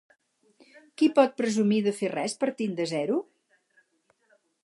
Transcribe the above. Qui pot presumir de fer res partint de zero?